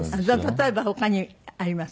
例えば他にあります？